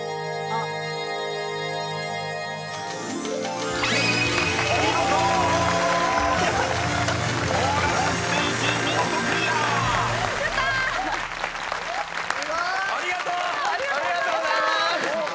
ありがとうございます！